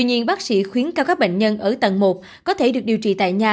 nhưng bác sĩ khuyến cao các bệnh nhân ở tầng một có thể được điều trị tại nhà